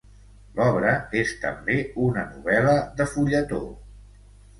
L'obra és també una novel·la de fulletó.